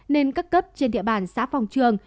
nên các cấp trên địa bàn xã phong trường